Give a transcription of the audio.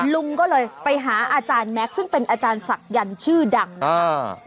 ลุงก็เลยไปหาอาจารย์แม็กซ์ซึ่งเป็นอาจารย์ศักยันต์ชื่อดังอ่า